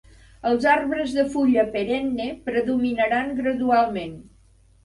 Els arbres de fulla perenne predominaran gradualment.